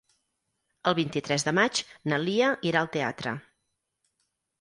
El vint-i-tres de maig na Lia irà al teatre.